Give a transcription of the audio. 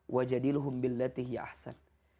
wajadiluhum billatih ya ahsan